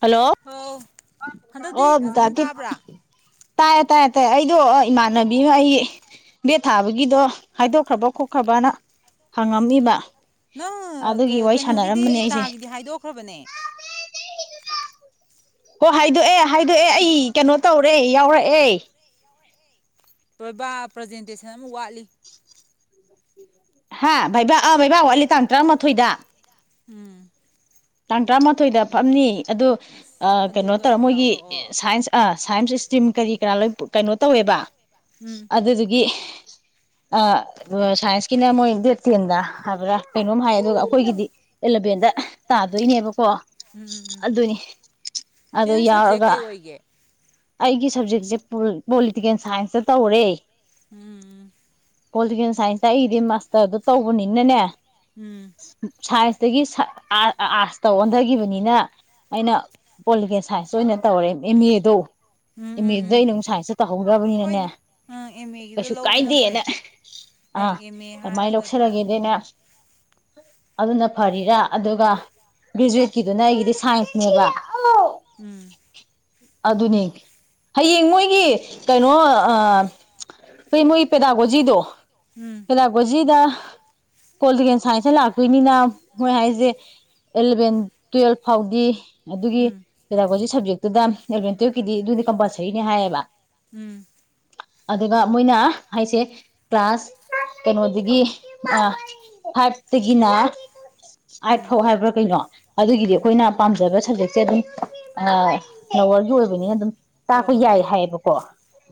Hello ꯑꯧ ꯑꯣ ꯍꯟꯗꯛꯇꯤ ꯐꯖꯅ ꯇꯥꯕ꯭ꯔꯥ [inaudible] ꯇꯥꯏꯌꯦ ꯇꯥꯏꯌꯦ ꯇꯥꯏꯌꯦ ꯑꯩꯗꯣ ꯏꯃꯥꯟꯅꯕꯤꯅ ꯑꯩ ꯕꯦꯠ ꯊꯥꯕꯒꯤꯗꯣ ꯍꯥꯏꯗꯣꯛꯈ꯭ꯔꯕ ꯈꯣꯠꯈ꯭ꯔꯕꯅ ꯍꯪꯉꯝꯃꯤꯕ ꯅꯪ ꯑꯗꯨꯒꯤ ꯋꯥꯔꯤ ꯀꯩꯅꯣꯒꯤꯗꯤ ꯁꯥꯟꯅꯔꯝꯕꯅꯦ ꯑꯩꯁꯦ ꯏꯇꯥꯒꯤꯗꯤ ꯍꯥꯏꯗꯣꯛꯈ꯭ꯔꯕꯅꯦ ꯑꯣ ꯍꯥꯏꯗꯣꯛ ꯑꯦ ꯍꯥꯏꯗꯣꯛꯑꯦ ꯑꯩ ꯀꯩꯅꯣ ꯇꯧꯔꯦ ꯌꯥꯎꯔꯛꯑꯦ ꯄ꯭ꯔꯖꯦꯟꯇꯦꯁꯟ ꯑꯃ ꯋꯥꯠꯂꯤ ꯍꯥ ꯕꯩꯕ ꯑ ꯕꯩꯕ ꯋꯥꯠꯂꯤ ꯇꯥꯡ ꯇꯔꯥꯃꯥꯊꯣꯏꯗ ꯎꯝ ꯇꯥꯡ ꯇꯔꯥꯃꯥꯊꯣꯏꯗ ꯐꯝꯅꯤ ꯑꯗꯣ ꯀꯩꯅꯣ ꯇꯧꯔ ꯑꯗꯨꯒ ꯃꯣꯏꯒꯤ ꯌꯥꯎꯔꯛꯑꯣ ꯁꯥꯏꯟꯁ ꯁꯥꯏꯟꯁ ꯇꯤꯝ ꯀꯔꯤ ꯀꯅꯥꯥ ꯂꯣꯏ ꯀꯩꯅꯣ ꯇꯧꯋꯦꯕ ꯎꯝ ꯑꯗꯨꯗꯨꯒꯤ ꯑ ꯁꯥꯏꯟꯁ ꯀꯅ ꯃꯣꯏꯗꯦꯇꯅ ꯍꯥꯕ꯭ꯔꯥ ꯀꯩꯅꯣꯝ ꯍꯥꯏ ꯑꯗꯨꯒ ꯎꯝ ꯑꯩꯈꯣꯏꯒꯤꯗꯤ ꯑꯦꯂꯚꯦꯟꯗ ꯇꯥꯗꯣꯏꯅꯦꯕ ꯀꯣ ꯎꯝ ꯎꯝ ꯎꯝ ꯑꯗꯨꯅꯤ ꯁꯤ ꯑꯣ ꯅꯪ ꯁꯕꯖꯦꯛ ꯌꯥꯎꯔꯒ ꯀꯩ ꯑꯣꯏꯒꯦ ꯑꯩꯒꯤ ꯁꯕꯖꯦꯛꯁꯦ ꯄꯣꯂꯤꯇꯤꯀꯦꯜ ꯁꯥꯏꯟꯁꯇ ꯇꯧꯔꯦ ꯎꯝ ꯄꯣꯂꯤꯇꯤꯀꯦꯜ ꯁꯥꯏꯟꯁꯇ ꯑꯩꯗꯤ ꯃꯥꯁꯇꯔꯗꯨ ꯇꯧꯕꯅꯤꯅꯅꯦ ꯎꯝ ꯁꯥꯏ ꯑꯗꯒꯤꯥ ꯑꯥꯔꯠꯁꯇ ꯑꯣꯟꯊꯈꯤꯕꯅꯤꯅ ꯑꯩꯅ ꯄꯣꯂꯤꯇꯤꯀꯦꯜ ꯁꯥꯏꯟꯁꯇ ꯑꯣꯏꯅ ꯇꯧꯔꯦ ꯑꯦꯝ ꯑꯦꯗꯣ ꯎꯝ ꯎꯝ ꯑꯦꯝ ꯎꯝ ꯎꯝ ꯑꯦꯗꯨꯗꯩꯅ ꯅ ꯁꯥꯏꯟꯁꯇ ꯇꯧꯍꯧꯗ꯭ꯔꯕꯅꯤꯅꯅꯦ ꯍꯣꯏꯗ ꯑꯪ ꯑꯦꯝ ꯑꯦꯒꯤꯗꯣ ꯀꯩꯁꯨ ꯂꯧꯕꯅ ꯀꯥꯏꯗꯦꯅ ꯐꯩ ꯑꯥ ꯍꯌꯦꯡ ꯑꯦꯝ ꯑꯦ ꯑꯗꯨꯃꯥꯏꯅ ꯍꯥꯏꯔꯒ ꯂꯧꯁꯜꯂꯒꯦꯗꯅꯦ ꯇꯧꯕꯗꯨꯅ ꯑꯗꯨꯅ ꯐꯔꯤꯔꯥ ꯑꯗꯨꯒ ꯒ꯭ꯔꯦꯖꯨꯋꯦꯠꯀꯤꯗꯨꯅ ꯑꯩꯒꯤꯗꯤ ꯁꯥꯏꯟꯁꯅꯦꯕ ꯎꯝ ꯑꯗꯨꯅꯦ ꯍꯌꯦꯡ ꯃꯣꯏꯒꯤ ꯀꯩꯅꯣ ꯑꯩꯣꯏ ꯃꯣꯏꯒꯤ ꯄꯦꯗꯥꯒꯣꯖꯤꯗꯣ ꯎꯝ ꯍꯂ ꯣꯖꯗ ꯄꯣꯂꯤꯇꯤꯀꯦꯜ ꯁꯥꯏꯟꯁꯇ ꯂꯥꯛꯇꯣꯏꯅꯤꯅ ꯃꯣꯏ ꯍꯥꯏꯁꯦ ꯑꯦꯂꯚꯦꯟ ꯇꯨꯋꯦꯜꯐ ꯐꯥꯎꯗꯤ ꯑꯗꯨꯒꯤ ꯎꯝ ꯀꯩꯗꯄꯣꯁꯤ ꯁꯞꯖꯦꯛ ꯑꯗꯨꯗ ꯑꯦꯗꯚꯦꯟꯇꯦꯀꯤꯗꯤ ꯑꯗꯨꯗꯤ ꯀꯝꯄꯜꯁꯔꯤꯅꯤ ꯍꯥꯏꯌꯦꯕ ꯎꯝ ꯑꯗꯨꯒ ꯃꯣꯏꯅ ꯍꯥꯏꯁꯦ ꯀ꯭ꯂꯥꯁ ꯀꯩꯅꯣꯗꯒꯤ ꯑ ꯍꯠꯇꯒꯤꯅ ꯑꯥꯏꯠ ꯎꯝ ꯐꯧ ꯍꯥꯏꯕ꯭ꯔꯥ ꯀꯩꯅꯣ ꯑꯗꯨꯒꯤꯗꯤ ꯎꯝ ꯑꯩꯈꯣꯏꯅ ꯄꯥꯝꯖꯕ ꯍꯧ ꯑꯗꯨ ꯑ ꯂꯋꯥꯔꯒꯤ ꯑꯣꯏꯕꯅꯤꯅ ꯑꯗꯨꯝ ꯍꯣꯏ ꯇꯥꯛꯄ ꯍꯣꯏ ꯍꯣꯏ ꯌꯥꯏ ꯍꯥꯏꯌꯦꯕꯀꯣ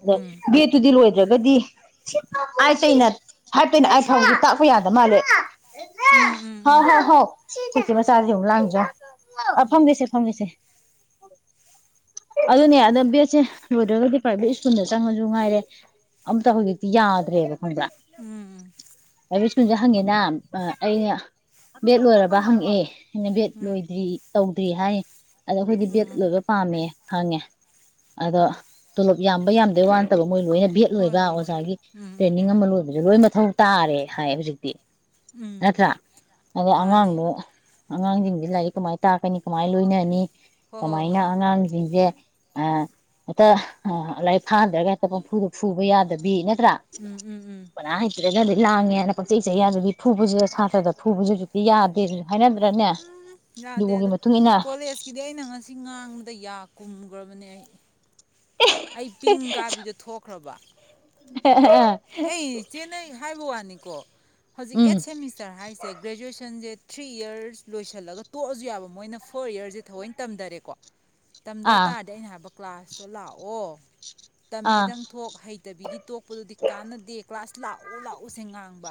ꯑꯗ ꯎꯝ ꯕꯦꯠꯇꯨꯗꯤ ꯂꯣꯏ ꯒꯗꯤ ꯑꯥꯏ ꯆ ꯏꯅꯥ ꯍꯥꯏꯇꯣꯏꯅꯦ ꯑꯩ ꯐꯥꯎꯁ ꯇꯥꯛꯄ ꯌꯥꯗ ꯃꯥꯜꯂꯦ ꯎꯝ ꯎꯝ ꯎꯝ ꯁꯤꯆꯃ ꯁꯥꯥꯗꯦ ꯂꯖ ꯑ ꯎꯝ ꯐꯪꯒꯁꯦ ꯐꯪꯒꯦꯁꯦ ꯑꯗꯨꯅꯦ ꯑꯗ ꯕꯦꯠꯁꯦ ꯂꯣꯏꯗ꯭ꯔꯒꯗꯤ ꯄ꯭ꯔꯥꯏꯚꯦꯠ ꯁ꯭ꯀꯨꯜꯗ ꯆꯪꯉꯁꯨ ꯉꯥꯏꯔꯦ ꯑꯝꯇ ꯍꯧꯖꯤꯛꯇꯤ ꯌꯥꯗ꯭ꯔꯦꯕ ꯈꯗ ꯎꯝ ꯁꯁ ꯍꯪꯉꯦꯅ ꯑꯩꯅ ꯕꯦꯦꯛ ꯂꯣꯏꯔꯕ ꯍꯪꯉꯛꯑꯦ ꯍꯦꯩꯅꯕꯦꯠ ꯎꯝ ꯎꯝ ꯂꯣꯏꯗ꯭ꯔꯤ ꯇꯧ ꯑꯗꯨꯔꯤꯍꯥꯏ ꯑꯗꯣ ꯑꯩꯈꯣꯏꯗꯤ ꯗꯦꯠ ꯎꯝ ꯂꯣꯏꯕ ꯄꯥꯝꯃꯦ ꯍꯦ ꯑꯗꯣ ꯇꯣꯂꯞ ꯌꯥꯝ ꯌꯥꯝꯗꯦ ꯋꯥꯟꯗꯕ ꯃꯣꯏ ꯂꯣꯏꯅ ꯕꯦꯠ ꯍꯣꯏ ꯂꯣꯏꯕ ꯍꯣꯏ ꯍꯣꯏ ꯑꯣꯖꯥꯒꯤ ꯎꯝ ꯎꯝ ꯇ꯭ꯔꯦꯅꯤꯡ ꯎꯝ ꯑꯃ ꯂꯣꯏ ꯍꯧꯖꯤ ꯂꯣꯏ ꯃꯊꯧ ꯇꯥꯔꯦ ꯍꯥꯏ ꯍꯧꯖꯤꯛꯇꯤ ꯎꯝ ꯅꯠꯇ꯭ꯔ ꯑ ꯃꯥꯅꯦ ꯑꯉꯥꯡꯣ ꯑꯉꯥꯡꯁꯤꯡꯁꯤꯦ ꯂꯥꯏꯔꯤꯛ ꯀꯃꯥꯏꯅ ꯇꯥꯛꯀꯅꯤ ꯀꯃꯥꯏꯅ ꯂꯣꯏꯅꯅꯤ ꯍꯣꯏ ꯍꯣꯏ ꯀꯃꯥꯏꯅ ꯍꯣꯏ ꯑꯉꯥꯡꯁꯤꯡꯁꯦ ꯑ ꯍꯦꯛꯇ ꯂꯥꯏꯔꯤꯛ ꯐꯥꯗ꯭ꯔꯒ ꯍꯦꯛꯇ ꯄꯝꯐꯨꯗꯣ ꯐꯨꯕ ꯌꯥꯗꯕꯤ ꯅ ꯎꯝ ꯎꯝ ꯎꯝ ꯀꯅꯥ ꯍꯩꯇꯔꯒꯗꯤ ꯂꯥꯡꯉꯦꯅ ꯄꯛꯆꯩ ꯆꯩꯌꯥ ꯑꯗꯨꯗꯤ ꯐꯨꯕꯁꯤꯗ ꯁꯥꯇ꯭ꯔꯗ ꯐꯨꯕꯁꯨ ꯍꯧꯖꯤꯛꯇꯤ ꯌꯥꯗꯦ ꯑꯗꯨ ꯎꯝ ꯌꯥꯗꯦ ꯑꯗꯣ ꯏꯟꯅ ꯀꯣꯂꯦꯖꯀꯤꯗꯤ ꯑꯩꯅ ꯉꯁꯤ ꯉꯥꯡꯕꯗ ꯌꯥ ꯀꯨꯝ ꯭ꯔꯕꯅꯤ ꯑꯩ ꯑꯩ ꯄꯤꯡ ꯀꯥꯕꯤꯗ ꯊꯣꯛꯈ꯭ꯔꯕ ꯑꯩꯩ ꯆꯦꯟꯅꯩ ꯍꯥꯏꯕꯣ ꯎꯄꯥꯅꯤꯀꯣ ꯍꯧꯖꯤꯛ ꯎꯝ ꯑꯩꯠ ꯁꯦꯃꯤꯁꯇꯔ ꯍꯥꯏꯁꯦ ꯒ꯭ꯔꯦꯖꯨꯋꯦꯁꯟꯁꯦꯠ ꯊ꯭ꯔꯤ ꯏꯔꯁ ꯂꯣꯏꯁꯤꯜꯂꯒ ꯇꯣꯛꯑꯁꯨ ꯌꯥꯕ ꯃꯣꯏꯅ ꯐꯣꯔ ꯌꯔꯁꯁꯦ ꯊꯑꯣꯏꯅ ꯇꯝꯊꯔꯦꯀꯣ ꯇꯝꯗ ꯑꯥ ꯇꯥꯔꯗꯤ ꯑꯩꯅ ꯍꯥꯏꯕ ꯀ꯭ꯂꯥꯁꯇꯣ ꯂꯥꯛꯑꯣ ꯑꯥ ꯇꯝꯃꯦꯗꯪ ꯊꯣꯛ ꯍꯩꯇꯕꯤꯒꯤ ꯇꯣꯛꯄꯗꯨꯗꯤ ꯗꯗꯤ ꯀ꯭ꯂꯥꯁ ꯂꯥꯛꯎ ꯂꯥꯛꯎꯁꯦ ꯉꯥꯡꯕ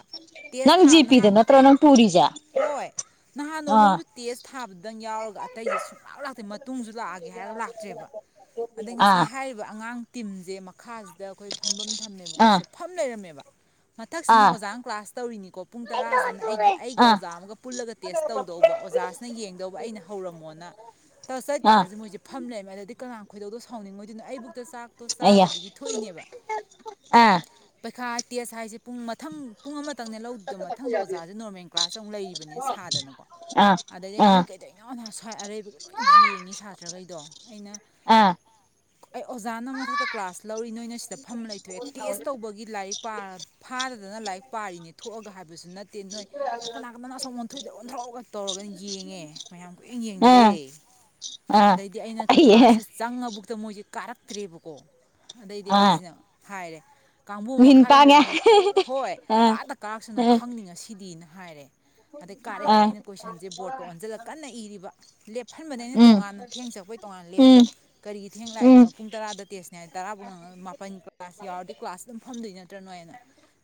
ꯇꯦꯁ ꯅꯪ ꯊꯥꯕ ꯖꯦꯄꯤꯗ ꯅꯍꯥꯟ ꯅꯠꯇ꯭ꯔꯣ ꯅꯪ ꯄꯨꯔꯤꯁꯦ ꯍꯣꯏ ꯅꯍꯥꯟ ꯑꯥ ꯅꯣꯡꯃꯝꯁꯨ ꯇꯦꯁ ꯊꯥꯕꯗꯪ ꯌꯥꯎꯔꯒ ꯑꯇꯩꯁꯦ ꯁꯨꯡꯂꯞ ꯂꯥꯛꯇꯦ ꯃꯇꯨꯡꯁꯨ ꯂꯥꯛꯑꯒꯦ ꯍꯥꯏꯔꯒ ꯂꯥꯛꯇ꯭ꯔꯦꯕ ꯑꯗꯩ ꯑꯥ ꯉꯁꯥꯏ ꯍꯥꯏꯔꯤꯕ ꯑꯉꯥꯡ ꯇꯤꯝꯁꯦ ꯃꯈꯥꯁꯤꯗ ꯑꯩꯈꯣꯏ ꯐꯝꯐꯝ ꯊꯝ ꯑꯥ ꯀꯣꯠꯁꯦ ꯐꯝ ꯂꯩꯔꯝꯃꯦꯕ ꯃꯊꯛꯁꯤꯅ ꯑꯥ ꯑꯣꯖꯥꯅ ꯀ꯭ꯂꯥꯁ ꯇꯧꯔꯤꯅꯤꯀꯣ ꯄꯨꯡ ꯇꯔꯥꯁꯤꯅ ꯑꯩꯒꯤ ꯑꯩꯒ ꯑꯥ ꯑꯣꯖꯥ ꯑꯃꯒ ꯄꯨꯜꯂꯒ ꯇꯦꯁ ꯇꯧꯗꯧꯕ ꯑꯣꯖꯥꯁꯤꯅ ꯌꯦꯡꯗꯧꯕ ꯑꯩꯅ ꯍꯧꯔꯝꯃꯣꯅ ꯇꯧꯔ ꯑꯥ ꯆꯠꯀꯥꯟꯁꯤꯦ ꯃꯣꯏꯁꯦ ꯐꯝ ꯂꯩꯔꯝꯃꯦ ꯑꯗꯨꯗꯗꯤ ꯀꯅꯥ ꯀꯣꯏꯗꯧꯗꯣ ꯐꯥꯎꯅꯤꯡꯉꯣꯏꯗꯨꯅ ꯑꯩꯕꯨꯛꯇ ꯆꯥꯛꯇꯣ ꯑꯌꯥ ꯆꯥꯗꯕꯤꯒꯤ ꯊꯣꯛꯏꯅꯦꯕ ꯑꯥ ꯄꯈꯥꯠ ꯇꯦꯁ ꯍꯥꯏꯁꯦ ꯄꯨꯡ ꯃꯊꯪ ꯄꯨꯡ ꯑꯃ ꯈꯤꯇꯪꯅ ꯂꯧꯗꯣ ꯃꯊꯪꯗ ꯑꯣꯖꯥꯁꯦ ꯅꯣꯔꯃꯦꯜ ꯀ꯭ꯂꯥꯁ ꯑꯃꯨꯛ ꯂꯩꯔꯤꯕꯅꯤ ꯁꯥꯗꯅꯀꯣ ꯑꯥ ꯑꯗꯩꯗꯤ ꯑꯥ ꯅꯣꯏ ꯀꯩꯗꯩꯅ ꯁ꯭ꯋꯥꯏ ꯑꯔꯩꯕꯒꯤ ꯂꯣꯏ ꯌꯦꯡꯉꯤ ꯁꯥꯇ꯭ꯔꯈꯩꯗꯣ ꯑꯩꯅ ꯑꯥ ꯑꯩ ꯑꯣꯖꯥꯅ ꯃꯊꯛꯇ ꯀ꯭ꯂꯥꯁ ꯂꯧꯔꯤ ꯅꯣꯏꯅ ꯁꯤꯗ ꯐꯝ ꯂꯩꯊꯣꯛꯑꯦ ꯇꯦꯁ ꯇꯧꯕꯒꯤ ꯂꯥꯏꯔꯤꯛ ꯐꯥꯗꯗꯅ ꯂꯥꯏꯔꯤꯛ ꯄꯥꯔꯤꯅꯦ ꯊꯣꯛꯑꯒ ꯍꯥꯏꯕꯁꯨ ꯅꯠꯇꯦ ꯅꯣꯏ ꯀꯅꯥ ꯀꯅꯥꯅ ꯑꯁꯣ ꯑꯣꯟꯊꯣꯏꯗ ꯑꯣꯟꯊꯔꯛꯑꯒ ꯇꯧꯔꯒ ꯌꯦꯡꯉꯦ ꯃꯌꯥꯝ ꯀꯨꯌꯦꯡ ꯌꯦꯡꯅꯔꯦ ꯑꯥ ꯑꯥ ꯑꯗꯩꯗꯤ ꯑꯩꯅ ꯑꯩꯌꯦ ꯀ꯭ꯂꯥꯁꯁꯦ ꯆꯪ ꯊꯕꯨꯛꯇ ꯃꯣꯏꯁꯦ ꯀꯥꯔꯛꯇ꯭ꯔꯦꯕꯀꯣ ꯑꯗꯩꯗꯤ ꯑꯥ ꯑꯩꯁꯤꯅ ꯍꯥꯏꯔꯦ ꯀꯥꯡꯕꯨ ꯃꯤꯍꯨꯟ ꯃꯈꯥ ꯄꯥꯡꯉꯦ ꯂꯩꯍꯧꯕꯅꯦ ꯍꯣꯏ ꯑꯥ ꯀꯥꯗ ꯀꯥꯔꯛꯁꯅꯣ ꯑꯥ ꯈꯪꯅꯤꯡꯉ ꯁꯤꯗꯤꯅ ꯍꯥꯏꯔꯦ ꯑꯗꯩ ꯀꯥꯔꯛꯦ ꯑꯥ ꯑꯩꯅ ꯀꯣꯏꯁꯟꯁꯦ ꯕꯣꯔꯠꯇꯣ ꯑꯣꯟꯁꯤꯜꯂꯒ ꯀꯟꯅ ꯏꯔꯤꯕ ꯂꯦꯞꯍꯟꯕꯅꯦ ꯑꯩꯅ ꯎꯝ ꯇꯣꯉꯥꯟꯅ ꯊꯦꯡ ꯆꯠꯄꯩ ꯇꯣꯉꯥꯟꯅ ꯎꯝ ꯂꯦꯞꯄꯣ ꯎꯝ ꯀꯔꯤꯒꯤ ꯊꯦꯡ ꯎꯝ ꯂꯥꯛꯏꯅꯣ ꯄꯨꯡ ꯇꯔꯥꯗ ꯇꯦꯁꯅꯦ ꯍꯥꯏ ꯇꯔꯥꯕꯨ ꯉꯉꯒ ꯃꯥꯄꯟ ꯀ꯭ꯂꯥꯁ ꯌꯥꯎꯔꯗꯤ ꯀ꯭ꯂꯥꯁ ꯑꯗꯨꯝ [inaudible] ꯅꯠꯇ꯭ꯔꯅꯣ ꯍꯥꯏꯅ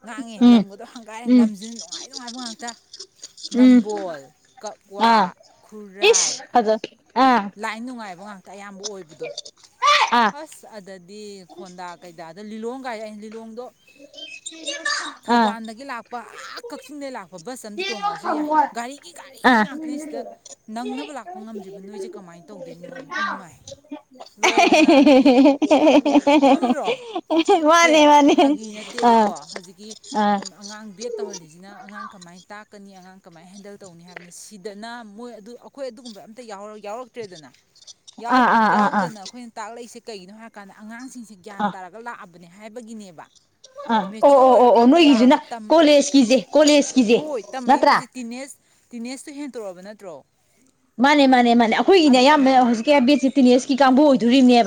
ꯉꯥꯡꯉꯦ ꯎꯝ ꯂꯝꯒꯗꯣ ꯍꯪꯒꯥꯏꯔꯦ ꯎꯝ ꯂꯝꯁꯤꯅ ꯅꯨꯡꯉꯥꯏ ꯅꯨꯡꯉꯥꯏꯕ ꯉꯥꯛꯇ ꯎꯝ ꯅꯝꯕꯣꯜ ꯀꯛꯋꯥ ꯑꯥ ꯈꯨꯔꯥꯏ ꯏꯁ ꯐꯖ ꯑꯥ ꯂꯥꯏ ꯅꯨꯡꯉꯥꯏꯕ ꯉꯥꯛꯇ ꯑꯌꯥꯝꯕ ꯑꯣꯏꯕꯗꯣ ꯑꯥ ꯑꯁ ꯑꯗꯗꯤ ꯈꯣꯟꯗꯥ ꯀꯩꯗꯥꯗ ꯂꯤꯂꯣꯡ ꯑꯩ ꯂꯤꯂꯣꯡꯒꯤ ꯑꯗꯣ ꯑꯥ ꯊꯧꯕꯥꯜꯗꯒꯤ ꯂꯥꯛꯄ ꯑꯥ ꯀꯛꯆꯤꯡꯗꯒꯤ ꯂꯥꯛ ꯍ ꯕꯁ ꯑꯝꯇ ꯇꯣꯡꯉꯛꯑꯁꯨ ꯌꯥꯏ ꯒꯥꯔꯤꯒꯤ ꯒꯥꯔꯤ ꯑꯥ ꯉꯥꯛꯇꯅꯤ ꯁꯤꯗ ꯅꯪꯅꯕ ꯂꯥꯛꯄ ꯉꯝꯗ꯭ꯔꯤꯕ ꯅꯣꯏꯁꯦ ꯀꯃꯥꯏꯅ ꯇꯧꯗꯣꯏꯅꯣꯅ ꯏꯝ ꯃꯥꯏ ꯂꯣꯏ [unintelligible] ꯃꯥꯅꯦ ꯆꯦ ꯃꯥꯅꯦ ꯐꯥꯒꯤ ꯑꯥ ꯅꯠꯇꯦꯕꯀꯣ ꯍꯧꯖꯤꯛꯀꯤ ꯑꯥ ꯑꯉꯥꯡ ꯕꯦꯠ ꯇꯧꯍꯜꯂꯤꯁꯤꯅ ꯑꯉꯥꯡ ꯀꯃꯥꯏꯅ ꯇꯥꯛꯀꯅꯤ ꯑꯉꯥꯡ ꯀꯃꯥꯏꯅ ꯍꯦꯟꯗꯜ ꯇꯧꯅꯤ ꯍꯥꯏꯕꯅꯤ ꯁꯤꯗꯅ ꯃꯣꯏ ꯑꯩꯈꯣꯏ ꯑꯗꯨꯒꯨꯝꯕ ꯑꯝꯇ ꯌꯥꯎꯔ‌ꯣꯏ ꯌꯥꯎꯔꯛꯇ꯭ꯔꯦꯗꯅ ꯑꯥ ꯑꯥ ꯑꯥ ꯑꯥ ꯌꯥꯎꯗꯅ ꯑꯩꯈꯣꯏꯅ ꯂꯩꯁꯦ ꯀꯒꯤꯅꯣ ꯍꯥꯏꯀꯥꯟꯗ ꯑꯉꯥꯡꯁꯤꯡ ꯒ꯭ꯌꯥꯟ ꯑꯥ ꯇꯥꯔꯒ ꯂꯥꯛꯑꯒ ꯑꯗꯨꯅꯦ ꯍꯥꯏꯕꯒꯤꯅꯦꯕ ꯑꯥ ꯑꯣ ꯃꯦꯆꯤꯌꯣꯔ ꯑꯣ ꯑꯣ ꯑꯣ ꯑꯣꯏꯔꯀꯥꯟꯗ ꯅꯣꯏꯒꯤꯁꯨꯅ ꯂꯥꯛꯑꯕ ꯀꯣꯂꯦꯖꯀꯤꯁꯦ ꯀꯣꯂꯦꯖꯀꯤꯁꯦ ꯅꯠꯇ꯭ꯔꯥ ꯇꯤꯅꯦꯁꯇꯨ ꯍꯦꯟꯇꯣꯔꯛꯑꯕ ꯅꯠꯇ꯭ꯔꯣ ꯃꯥꯅꯦ ꯃꯥꯅꯦ ꯃꯥꯅꯦ ꯑꯩꯈꯣꯏꯒꯤꯅꯦ ꯑꯗꯨ ꯑꯌꯥꯝꯅ ꯑꯗꯨ ꯍꯧꯖꯤꯛꯀꯤ ꯕꯤꯑꯦꯠꯁ‌ꯦ ꯇꯤꯅꯦꯁꯀꯤ ꯀꯥꯡꯕꯨ ꯑꯣꯏ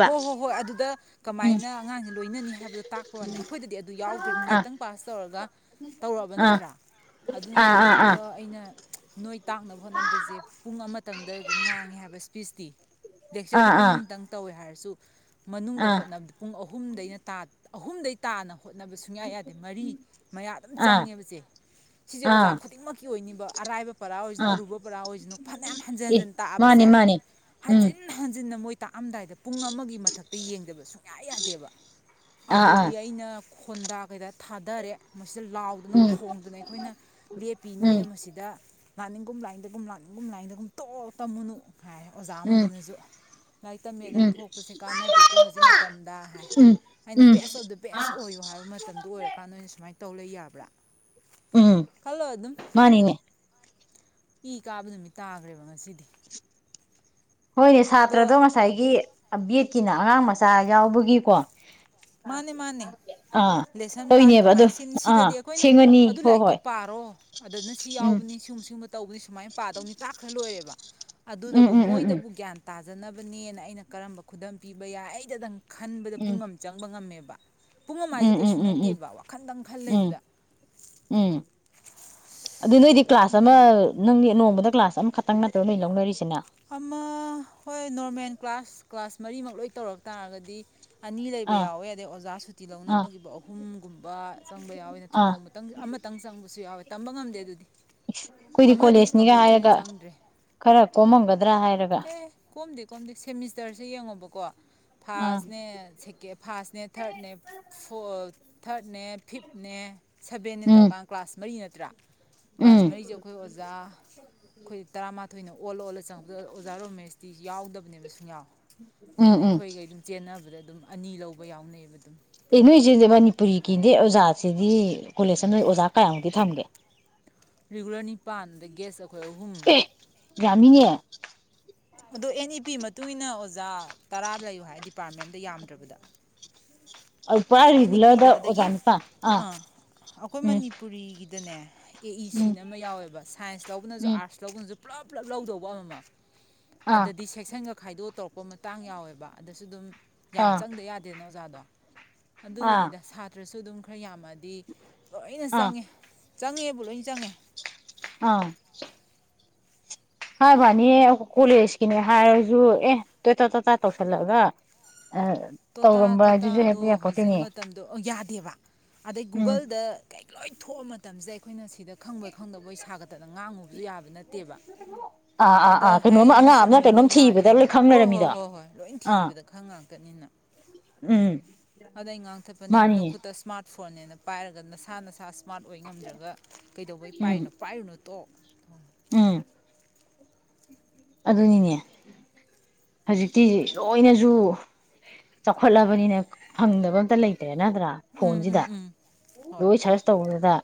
ꯍꯣꯏ ꯍꯣꯏ ꯍꯣꯏ ꯑꯗꯨꯗ ꯀꯃꯥꯏꯅ ꯑꯉꯥꯡꯁꯦ ꯂꯣꯏꯅꯅꯤ ꯍꯥꯏꯕꯗꯣ ꯇꯥꯛꯄꯋꯥꯅ‌ꯦ ꯑꯩꯈꯣꯏꯗꯗꯤ ꯑꯗꯨ ꯌꯥꯎꯗ꯭ꯔꯅꯤꯝ ꯑꯥ ꯅꯦꯠꯇꯪ ꯄꯥꯁ ꯇꯧꯔꯒ ꯇꯧꯔꯛꯑꯕ ꯑꯥ ꯅꯠꯇ꯭ꯔꯥ ꯑꯥ ꯑꯗꯨꯅꯗꯤ ꯑꯥ ꯍꯦꯛꯇ ꯑꯥ ꯑꯩꯅ ꯅꯣꯏ ꯇꯥꯛꯅꯕ ꯍꯣꯠꯅꯕꯁꯦ ꯄꯨꯡ ꯑꯃꯇꯪꯗ ꯉꯥꯡꯉꯦ ꯍꯥꯏꯕꯁ ꯐꯤꯁꯇꯤ ꯂꯦꯛꯆꯔꯗꯤ ꯑꯥ ꯄꯨꯡ ꯑꯥ ꯑꯃꯇꯪ ꯑꯣꯈ‌ꯣꯏ ꯍꯥꯏꯔꯁꯨ ꯃꯅꯨꯡꯗ ꯍꯣꯠꯅꯕꯗ ꯄꯨꯡ ꯑꯍꯨꯝ ꯑꯍꯨꯝꯗꯩꯅ ꯇꯥ ꯑꯍꯨꯝꯗꯩ ꯇꯥꯅ ꯍꯣꯠꯅꯕ ꯁꯨꯡꯌꯥ ꯌꯥꯗꯦ ꯃꯔꯤ ꯃꯌꯥ ꯑꯗꯨꯝ ꯑꯥ ꯑꯥ ꯆꯪꯉꯦꯕ ꯆ‌ꯦ ꯁꯤꯁꯦ ꯑꯣꯖꯥ ꯑꯥ ꯈꯨꯗꯤꯡꯃꯛꯀꯤ ꯑꯣꯏꯅꯤꯕ ꯑꯔꯥꯏꯕ ꯄꯔꯥ ꯑꯣꯏꯁꯅꯨ ꯑꯥ ꯑꯔꯨꯕ ꯄꯔꯥ ꯑꯣꯏꯁꯅꯨ ꯐꯅꯌꯥꯝ ꯍꯟꯖꯤꯟ ꯑꯦ ꯍꯟꯖꯤꯟ ꯃꯥꯅꯦ ꯇꯥꯛꯑꯕꯁꯦ ꯃꯥꯅꯦ ꯎꯝ ꯍꯟꯖꯤꯟ ꯍꯟꯖꯤꯟꯅ ꯃꯣꯏ ꯑꯝꯗꯥꯏꯗ ꯄꯨꯡ ꯑꯃꯒꯤ ꯃꯊꯛꯇ ꯌꯦꯡꯗꯕ ꯁꯨꯡꯌꯥ ꯌꯥꯗꯦꯕ ꯑꯥ ꯑꯥ ꯑꯗꯗꯤ ꯑꯩꯅ ꯈ‌ꯣꯟꯗꯥ ꯀꯩꯗ ꯊꯥꯗꯔꯦ ꯁꯤꯗ ꯂꯥꯎꯗꯅ ꯎꯝ ꯈꯣꯡꯗꯅ ꯑꯩꯈꯣꯏꯅ ꯂꯦꯞꯄꯤ ꯎꯝ ꯅꯣꯏꯅ ꯃꯁꯤꯗ ꯂꯥꯛꯅꯤꯡꯒꯨꯝ ꯂꯥꯏꯟꯗꯒꯨꯝ ꯂꯥꯛꯅꯤꯡꯒꯨꯝ ꯂꯥꯏꯟꯗꯒꯨꯝ ꯇꯣꯛꯑꯣ ꯇꯝꯃꯨꯅꯨ ꯍꯥꯏꯔ‌ꯦ ꯑꯣꯖꯥ ꯎꯝ ꯑꯃꯗꯨꯅꯁꯨ ꯂꯥꯏꯔꯤꯛ ꯇꯝꯃꯦꯗꯪ ꯎꯝ ꯊꯣꯛꯄꯁꯦ ꯀꯥꯟꯅꯗꯦꯀꯣ ꯍꯧꯖꯤꯛ ꯃꯇꯝꯗ ꯍꯥꯏ ꯎꯝ ꯑꯩꯅ ꯎꯝ ꯕꯦꯁ ꯑꯣꯐ ꯗ ꯕꯦꯁ ꯑꯣꯏꯌꯨ ꯍꯥꯏꯕ ꯃꯇꯝꯗ ꯑꯣꯏꯔꯀꯥꯟꯗ ꯁꯨꯃꯥꯏ ꯇꯧ ꯇꯧꯂꯩ ꯌꯥꯕ꯭ꯔꯥ ꯎꯝ ꯈꯜꯂꯣ ꯑꯗꯨꯝ ꯃꯥꯅꯤꯅꯦ ꯏ ꯀꯥꯕ ꯅꯨꯃꯤꯠ ꯇꯥꯈ꯭ꯔꯦꯕ ꯉꯁꯤꯗꯤ ꯍꯣꯏꯅꯦ ꯑꯗꯣ ꯁꯥꯇ꯭ꯔꯗꯣ ꯉꯁꯥꯏꯒꯤ ꯑ ꯕꯦꯠꯀꯤꯅ ꯑꯉꯥꯡ ꯃꯆꯥ ꯌꯥꯎꯕꯒꯤꯀꯣ꯫ ꯃꯥꯅꯦ ꯃꯥꯅꯦ ꯑꯥ ꯂꯦꯁꯟ ꯄ꯭ꯂꯥꯟ ꯍꯣꯏꯅꯦꯕ ꯑꯗꯣ ꯀꯃꯥꯏꯅ ꯁꯤꯅꯤ ꯑꯥ ꯁꯤꯗꯗꯤ ꯑꯩꯈꯣꯏꯅ ꯁꯦꯡꯉꯅꯤ ꯑꯗꯨ ꯍꯣꯏ ꯂꯥꯏꯔꯤꯛꯇꯣ ꯍꯣꯏ ꯄꯥꯔꯣ ꯑꯗꯨꯅ ꯁꯤ ꯎꯝ ꯌꯥꯎꯕꯅꯤ ꯁꯤꯒꯨꯝꯕ ꯁꯤꯒꯨꯝꯕ ꯇꯧꯕꯅꯤ ꯁꯨꯃꯥꯏꯅ ꯄꯥꯗꯧꯅꯤ ꯇꯥꯛꯈ꯭ꯔ ꯂꯣꯏꯔꯦꯕ ꯎꯝ ꯑꯗꯨꯗꯕꯨ ꯎꯝ ꯎꯝ ꯃꯣꯏꯗꯕꯨ ꯒ꯭ꯌꯥꯟ ꯇ ꯇꯥꯖꯅꯕꯅꯦꯅ ꯑꯩꯅ ꯀꯔꯝꯕ ꯈꯨꯗꯝ ꯄꯤꯕ ꯌꯥꯏ ꯑꯩꯗꯗꯪ ꯈꯟꯕꯗ ꯎꯝ ꯄꯨꯨꯡ ꯑꯃ ꯈꯪꯕ ꯉꯝꯃꯦꯕ ꯄꯨꯡ ꯑꯃ ꯍꯥꯏꯁꯦ ꯎꯝ ꯎꯝ ꯀꯩꯁꯨ ꯎꯝ ꯎꯝ ꯅꯠꯇꯦꯕ ꯋꯥꯈꯟꯗꯪ ꯈꯜ ꯎꯝ ꯂꯩꯕꯗ ꯎꯝ [inaudible] ꯑꯗꯨ ꯅꯣꯏꯗꯤ ꯀ꯭ꯂꯥꯁ ꯑꯃ ꯌꯥꯗꯦ ꯅꯪꯗꯤ ꯅꯣꯡꯃ ꯑꯗ ꯀ꯭ꯂꯥꯁ ꯑꯃꯈꯛꯇꯪ ꯅꯠꯇꯔꯣ ꯅꯣꯏ ꯂꯧꯅꯔꯤꯁꯤꯅ꯫ ꯑꯃ ꯍꯣꯏ ꯅꯣꯔꯃꯦꯜ ꯀ꯭ꯂꯥꯁ ꯀ꯭ꯂꯥꯁ ꯃꯔꯤꯃꯛ ꯂꯣꯏ ꯇꯧꯔꯛ ꯇꯥꯔꯒꯗꯤ ꯑꯅꯤ ꯂꯩꯕ ꯑꯥ ꯌꯥꯎꯋꯦ ꯑꯗꯩ ꯑꯣꯖꯥ ꯁꯨꯇꯤ ꯑꯥ ꯂꯧꯅꯈꯤꯕ ꯑꯍꯨꯝꯒꯨꯝꯕ ꯆꯪꯕ ꯌꯥꯎꯋꯦ ꯅꯠꯇ꯭ꯔ ꯑꯥ ꯅꯣꯡꯃꯇꯪ ꯑꯃꯇꯪ ꯆꯪꯕꯁꯨ ꯌꯥꯎꯋꯦ꯫ ꯇꯝꯕ ꯉꯝꯗꯦ ꯑꯗꯨꯗꯤ ꯑꯩꯈꯣꯢꯗꯤ ꯑꯃꯗꯤ ꯀꯣꯂꯦꯖꯅꯤꯒ ꯀꯝꯄꯜꯁꯔꯤ ꯍꯥꯏꯔꯒ ꯆꯪꯗ꯭ꯔꯦ ꯈꯔ ꯀꯣꯝꯃꯝꯒꯗ ꯑꯦ ꯀꯣꯝꯗꯦ ꯀꯣꯝꯗꯦ ꯁꯦꯃꯤꯁꯇꯔꯁꯦ ꯌꯦꯡꯉꯣꯕꯀꯣ ꯑꯥ ꯐꯥꯔꯁꯅꯦ ꯐꯥꯔꯁꯅꯦ ꯊꯥꯔꯠꯅꯦ ꯐ ꯊꯥꯔꯠꯅꯦ ꯐꯤꯞꯅꯦ ꯁꯕꯦꯟꯅꯦ ꯎꯝ ꯇꯧꯔꯀꯥꯟ ꯀ꯭ꯂꯥꯁ ꯃꯔꯤ ꯅ ꯇ꯭ꯔꯥ ꯀ꯭ꯂꯥꯁ ꯎꯝ ꯃꯔꯤꯁꯦ ꯑꯩꯈꯣꯏ ꯑꯣꯖꯥ ꯑꯩꯈꯣꯏ ꯇꯔꯥꯃꯥꯊ ꯊꯣꯏꯅ ꯑꯣꯜꯂ ꯑꯣꯜꯂ ꯆꯪꯕꯗ ꯑꯣꯖꯥ ꯔꯣꯃꯦꯁꯇꯤ ꯌꯥꯎꯗꯕꯅꯦꯕ ꯁꯨꯡꯌꯥꯎ ꯎꯝ ꯑꯗꯨꯅ ꯎꯝ ꯑꯩꯈꯣꯏꯒꯩ ꯑꯗꯨꯝ ꯆꯦꯟꯅꯕꯗ ꯑꯗꯨꯝ ꯑꯅꯤ ꯂꯧꯕ ꯌꯥꯎꯅꯩꯑꯦꯕ ꯑꯗꯨꯝ ꯑꯦ ꯅꯣꯏꯁꯤꯗꯤ ꯃꯅꯤꯄꯨꯔꯤꯒꯤꯅꯦ ꯑꯣꯖꯥꯁꯤꯗꯤ ꯀꯣꯂꯦꯖꯇ ꯅꯣꯏ ꯑꯣꯖꯥ ꯀꯌꯥꯃꯨꯛꯇꯤ ꯊꯝꯒꯦ ꯔꯤꯒꯨꯂꯔ ꯅꯤꯄꯥꯜ ꯑꯗꯩ ꯒꯦꯁ ꯑꯩꯈꯣꯏ ꯑꯍꯨꯝ ꯭ꯌꯥꯝꯃꯤꯅꯦ ꯑꯗꯣ ꯑꯦꯟ ꯏ ꯄꯤ ꯃꯇꯨꯡ ꯏꯟꯅ ꯑꯣꯖꯥ ꯇꯔꯥ ꯂꯩꯌꯨ ꯍꯥꯏ ꯗꯤꯄꯥꯔꯠꯃꯦꯟ ꯑꯃꯗ ꯌꯥꯝꯗ꯭ꯔꯕꯗ ꯑꯗꯨ ꯄꯨꯔ ꯑꯦꯟ ꯏ ꯔꯤꯒꯨꯂꯔꯗ ꯄꯤꯗ ꯑꯣꯖꯥ ꯑꯗꯒꯤ ꯅꯤꯇꯪ ꯑꯥ ꯎꯝ ꯑꯗꯨꯅꯦ ꯑꯦ ꯏ ꯎꯝ ꯁꯤꯅ ꯑꯃ ꯌꯥꯎꯋꯦꯕ ꯁꯥꯏꯟꯁ ꯂꯧꯕꯅꯁꯨ ꯎꯝ ꯑꯥꯔꯠꯁ ꯂꯧꯕꯅꯁꯨ ꯄꯨꯂꯞ ꯄꯨꯂꯞ ꯂꯧꯗꯧꯕ ꯑꯃꯃ ꯑꯥ ꯑꯗꯗꯤ ꯁꯦꯛꯁꯟꯒ ꯈꯥꯏꯗꯣ ꯇꯧꯔꯛꯄ ꯃꯇꯥꯡ ꯌꯥꯎꯋꯦꯕ ꯑꯗꯁꯨ ꯑꯗꯨꯝ ꯌꯥꯝ ꯑꯥ ꯆꯪꯗ ꯌꯥꯗꯦꯅ ꯑꯣꯖꯥꯗꯣ ꯑꯥ ꯑꯗꯨꯒꯤꯅꯤꯗ ꯁꯥꯇ꯭ꯔꯁꯨ ꯑꯗꯨꯝ ꯈꯔ ꯌꯥꯝꯃ ꯗꯤ ꯂꯣꯏꯅ ꯑꯥ ꯆꯪꯉꯦ ꯆꯪꯉꯦꯕꯨ ꯂꯣꯏ ꯆꯪꯉꯦ ꯑꯥ ꯍꯥꯏꯕꯩꯋꯥꯅꯤ ꯀꯣꯂꯦꯖꯀꯤꯅꯦ ꯍꯥꯏꯔꯁꯨ ꯑꯦ ꯇꯣꯇꯥ ꯇꯣꯇꯥ ꯇꯧꯁꯜꯂꯒ ꯇꯣꯇꯥ ꯇꯣꯇꯥꯗꯣ ꯍꯧꯖꯤꯛ ꯌꯥꯄꯣꯠꯇꯦꯅꯦ ꯃꯇꯝꯗꯣ ꯌꯥꯗꯦꯕ ꯑꯗꯩ ꯎꯝ ꯒꯨꯒꯜꯗ ꯀꯩ ꯂꯣꯏ ꯊꯣꯛꯑ ꯃꯇꯝꯁꯤꯗ ꯑꯩꯈꯣꯏꯅ ꯁꯤꯗ ꯈꯪꯕꯣꯏ ꯈꯪꯗꯕꯣꯏ ꯁꯥꯒꯠꯇꯅ ꯉꯥꯡꯉꯨꯕ ꯁꯨ ꯌꯥꯕ ꯅꯠꯇꯦꯕ ꯑꯥ ꯑꯥ ꯑꯗ ꯑꯥ ꯀꯩꯅꯣꯝꯃ ꯍꯥꯏꯔꯛꯗꯨꯅ ꯑꯉꯥꯡ ꯑꯃꯅ ꯆꯨꯝꯃꯤꯅꯤ ꯀꯩꯅꯣꯝ ꯊꯤꯕꯗ ꯂꯥꯜꯂꯤꯅꯤ ꯂꯣꯏ ꯈꯪ ꯍꯣꯏ ꯍꯣꯏ ꯂꯩꯔꯝꯃꯤꯗꯣ ꯍꯣꯏ ꯍꯣꯏ ꯂꯣꯏ ꯑꯥ ꯊꯤꯕꯗ ꯈꯥꯪ ꯉꯥꯛꯇꯅꯤꯅ ꯎꯝ ꯑꯗ ꯑꯩ ꯉꯥꯡꯊꯠꯄꯅꯦ ꯃꯥꯅꯤꯅꯦ ꯅꯈꯨꯠꯇ ꯏꯁꯃꯥꯔꯠ ꯐꯣꯟꯅꯦꯅ ꯄꯥꯏꯔꯒ ꯅꯁꯥ ꯅꯁꯥ ꯁ꯭ꯃꯥꯔꯠ ꯑꯣꯏ ꯉꯝꯗ꯭ꯔꯒ ꯀꯩꯗꯧꯕꯩ ꯎꯝ ꯄꯥꯏꯔꯤꯅꯣ ꯄꯥꯏꯔꯨꯅꯣ ꯇꯣ ꯎꯝ ꯑꯗꯨꯅꯤꯅꯦ ꯍꯧꯖꯤꯛꯇꯤ ꯂꯣꯏꯅꯁꯨ ꯆꯥꯎꯈꯠꯂꯕꯅꯤꯅ ꯐꯪꯗꯕ ꯑꯝꯇ ꯂꯩꯇ꯭ꯔꯦ ꯅꯠꯇ꯭ꯔꯥ ꯎꯝ ꯎꯝ ꯐꯣꯟꯁꯤꯗ ꯎꯝ ꯍꯣꯏ ꯂꯣꯏ ꯁꯔꯁ ꯇꯧꯔꯒ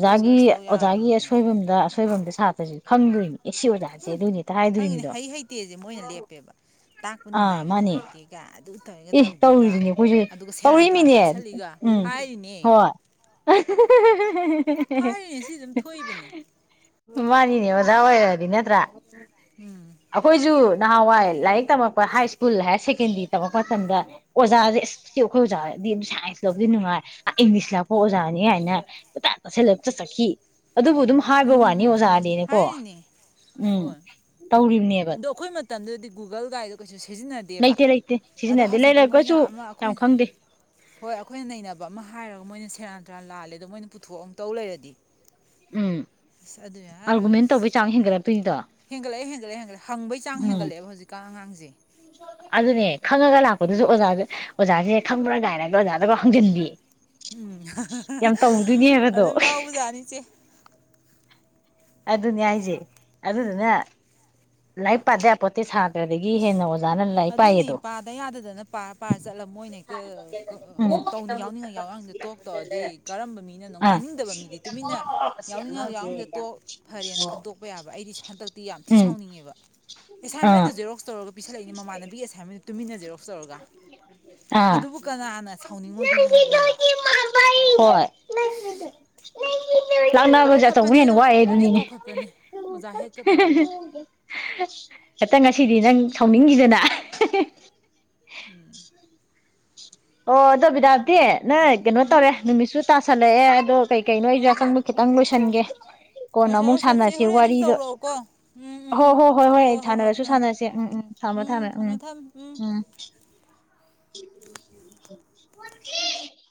ꯂꯣꯏ ꯁꯔꯁ ꯇꯧ ꯑꯣꯖꯥꯒꯤ ꯌꯥꯔꯕꯅꯦꯕ ꯑꯁꯣꯏꯕꯝꯗ ꯑꯁꯣꯏꯕꯝꯗ ꯁꯥꯇ꯭ꯔꯁꯤ ꯐꯪꯗ꯭ꯔꯤ ꯏꯁ ꯁꯤ ꯑꯣꯖꯥꯁꯤ ꯎꯝ ꯑꯗꯨꯅꯤ ꯈꯪꯉꯤꯅꯦ ꯍꯩ ꯍꯩꯇꯦꯁꯦ ꯃꯣꯏꯅ ꯂꯦꯞꯄꯦꯕ ꯇꯥꯛꯄ ꯑꯥ ꯅꯨꯡꯉꯥꯏꯒ ꯃꯥꯅꯦ ꯅꯨꯡꯉꯥꯏꯇꯦꯒ ꯑꯗꯨ ꯇꯧꯔꯒ ꯑꯦ ꯇꯧꯗꯦꯒ ꯇꯧꯔꯤꯗꯨꯅꯦ ꯑꯩꯈꯣꯏꯁꯨ ꯑꯗꯨꯒ ꯁꯦꯔꯥꯟ ꯇꯨꯔꯥꯟ ꯇꯧꯔꯤꯃꯤꯅꯦ ꯇꯥꯛꯁꯜꯂꯤꯒ ꯎꯝ ꯍꯥꯏꯔꯤꯅꯦ ꯍꯣꯏ ꯍꯥꯏꯔꯤꯅꯦ ꯁꯤ ꯑꯗꯨꯝ ꯊꯣꯛꯏꯕꯅꯤ ꯃꯥꯅꯤꯅꯦ ꯑꯣꯖꯥ ꯑꯣꯏꯔꯗꯤ ꯅꯠꯇ꯭ꯔꯥ ꯎꯝ ꯑꯈꯣꯏꯁꯨ ꯅꯍꯥꯟꯋꯥꯏ ꯂꯥꯏꯔꯤꯛ ꯇꯝꯃꯛꯛꯄ ꯍꯥꯏ ꯁ꯭ꯀꯨꯜ ꯍꯥꯏꯔ ꯁꯦꯀꯦꯟꯗꯔꯤ ꯇꯝꯃꯛꯄ ꯃꯇꯝꯗ ꯑꯣꯖꯥꯁꯦ ꯑꯁ ꯑꯩꯈꯣꯏ ꯑꯣꯖꯥꯗꯤ ꯑꯗꯨꯝ ꯁꯥꯏꯟꯁ ꯂꯧꯕꯗꯤ ꯅꯨꯡꯉꯥꯏ ꯑ ꯏꯪꯂꯤꯁ ꯂꯥꯛꯄ ꯑꯣꯖꯥꯅꯤ ꯀꯥꯏꯅꯇꯥ ꯁꯦꯂꯦꯞꯇ ꯆꯠꯈꯤ ꯑꯗꯨꯕꯨ ꯑꯗꯨꯝ ꯍꯥꯏꯕ ꯎꯝ ꯎꯝ ꯋꯥꯅꯤ ꯎꯝ ꯎꯝ ꯎꯝ ꯑꯣꯖꯥꯗꯤꯅꯦꯀꯣ ꯍꯥꯏꯔꯤꯅꯦ ꯎꯝ ꯍꯣꯏ ꯇꯧꯔꯤꯕꯅꯦꯕ ꯑꯗꯣ ꯑꯩꯈꯣꯏ ꯃꯇꯝꯗꯗꯤ ꯒꯨꯒꯜ ꯒꯥꯏꯗ ꯀꯩꯁꯨ ꯁꯤꯖꯤ ꯂꯩꯇꯦ ꯂꯩꯇꯦ ꯑꯗꯣ ꯁꯤꯖꯤꯟꯅꯗꯦ ꯍꯧꯖꯤꯛꯇꯤ ꯃꯣꯏꯟ ꯂꯩꯔꯒꯁꯨ ꯑꯃ ꯌꯥꯝ ꯑꯩꯈꯣꯏꯅ ꯈꯪꯗꯦ ꯑꯩꯈꯣꯌꯅ ꯅꯩꯅꯕ ꯑꯃ ꯍꯥꯏꯔꯨꯔꯒ ꯃꯣꯏꯟ ꯁꯦꯔꯥꯟ ꯊꯦꯔꯥꯟ ꯂꯥꯜꯂꯦꯗꯣ ꯃꯣꯏꯅ ꯄꯨꯊꯣꯛꯑ ꯑꯃꯇꯧ ꯂꯩꯔꯗꯤ ꯎꯝ ꯑꯁ ꯑꯗꯨ ꯌꯥꯔ ꯑ ꯑꯥꯔꯒꯨꯃꯦꯟ ꯇꯧꯕꯩ ꯆꯥꯡ ꯍꯦꯟꯒꯠꯂꯛꯇꯣꯏꯅꯤꯗꯣ ꯍꯦꯟꯒꯠꯂꯛꯑꯦ ꯍꯦꯟꯒꯠꯂꯛꯑꯦ ꯍꯦꯟꯒꯠꯂꯦ ꯍꯪꯕꯩ ꯆꯥꯡ ꯎꯝ ꯍꯦꯟꯒꯠꯂꯑꯦꯕ ꯍꯧꯖꯤꯛꯥꯟ ꯑꯉꯥꯡꯁꯦ ꯑꯗꯨꯅꯦ ꯈꯪꯉꯒ ꯂꯥꯛꯄꯗꯨꯁꯨ ꯑꯣꯖꯥꯗ ꯑꯣꯖꯥꯁꯦ ꯈꯪꯕ꯭ꯔꯥꯒꯥꯏꯅꯒ ꯑꯣꯖꯥꯗꯀꯥꯎ ꯍꯪꯖꯤꯟꯕꯤ ꯎꯝ ꯌꯥꯝ ꯇꯧꯗꯣꯏꯅꯦꯕꯗꯣ ꯑꯗꯨꯝ ꯌꯥꯎꯕꯖꯥꯅꯤ ꯏꯆꯦ ꯑꯗꯨꯅꯤ ꯍꯥꯏꯁꯦ ꯑꯗꯨꯗꯨꯅ ꯂꯥꯏꯔꯤꯛ ꯄꯥꯗ ꯌꯥꯄꯣꯅꯇꯦ ꯁꯥ ꯏꯁ ꯑꯗꯨꯅꯤ ꯄꯥꯗ ꯌꯥꯗꯗꯅ ꯄꯥꯔ ꯄꯥꯔ ꯆꯠꯂꯝ ꯃꯣꯏꯅ ꯍꯦꯛꯇ ꯎꯝ ꯇꯧꯅꯤꯡ ꯌꯥꯎꯅꯤꯡꯉꯥꯏ ꯌꯥꯎꯅꯤꯡꯗ ꯇꯣꯛ ꯇꯧꯔꯗꯤ ꯀꯔꯝꯕ ꯃꯤꯅꯅꯣ ꯑꯥ ꯉꯥꯡꯅꯤꯡꯗꯕ ꯃꯤꯗꯤ ꯇꯨꯃꯤꯟꯅ ꯌꯥꯎꯅꯤꯡꯉ ꯌꯥꯎꯅꯤꯡꯗ ꯇꯣꯛ ꯐꯔꯦꯅ ꯈꯟꯇꯣꯛꯄ ꯌꯥꯕ ꯑꯩꯗꯤ ꯍꯟꯗꯛꯇꯤ ꯌꯥꯝ ꯊꯤ ꯎꯝ ꯁꯥꯎꯅꯤꯡꯉꯦꯕ ꯑꯥ ꯑꯦꯁꯥꯏꯟꯃꯦꯟꯗꯨ ꯖꯦꯔꯣꯛ ꯇꯧꯔꯒꯥ ꯄꯤꯁꯜꯂꯛꯏꯅꯤ ꯃꯃꯥꯟꯅꯕꯤ ꯑꯁꯏꯅꯃꯦꯟ ꯇꯨꯃꯤꯟꯅꯖꯔꯣ ꯇꯧꯔꯒ ꯑꯥ ꯑꯗꯨꯕꯨ ꯀꯅꯥꯅ ꯁꯥꯎꯅꯤꯡꯉꯣꯏꯗꯣꯏꯅꯣ ꯍꯥꯏꯕꯅꯤꯗ ꯍꯣꯏ ꯍꯁ ꯂꯥꯛꯅꯕꯁꯦ ꯑꯆꯧꯕ ꯍꯦꯟꯅ ꯋꯥꯑꯦ ꯂꯣꯏꯅ ꯑꯗꯨꯅꯤꯅꯦ ꯀꯧꯈꯠꯄꯅꯦ ꯑꯣꯖꯥ ꯍꯦꯠꯀ ꯇꯧꯔꯒ ꯍꯦꯛꯇꯪ ꯉ ꯁꯤꯗꯤ ꯅꯪ ꯁꯥꯎꯅꯤꯡꯈꯤꯗꯅ ꯎꯝ ꯑꯣ ꯑꯗꯣ ꯗꯔꯇꯤ ꯅ ꯀꯩꯅꯣ ꯎꯝ ꯇꯧꯔꯦ ꯅꯨꯃꯤꯠꯁꯨ ꯇꯥꯁꯜꯂꯑꯦ ꯑꯗꯨꯣ ꯀꯩ ꯀꯩꯅꯣ ꯑꯩꯁꯨ ꯍꯣꯏ ꯍꯣꯏ ꯑꯁꯪꯕꯣ ꯈꯤꯇꯪ ꯂꯣꯏꯁꯟꯒꯦ ꯀꯣꯟꯅ ꯂꯣꯏꯁꯜꯂꯣ ꯑꯃꯨꯛ ꯆꯦ ꯁꯥꯟꯅꯁꯤ ꯍꯣꯔꯦꯟ ꯑꯗꯨꯝ ꯋꯥꯔꯤꯗꯣ ꯇꯧꯔꯛꯑꯣꯀꯣ ꯎꯝ ꯎꯝ ꯍꯣ ꯎꯝ ꯍꯣꯏ ꯍꯣꯏ ꯍꯣꯏ ꯁꯥꯟꯅꯔꯁꯨ ꯁꯥꯟꯅꯁꯤ ꯎꯝ ꯎꯝ ꯊꯝꯃꯣ ꯊꯝꯃ ꯎꯝ ꯎꯝ ꯎ [inaudible]